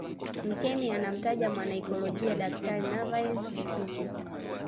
Mtemi anamtaja mwanaikolojia Daktari Neville Chittick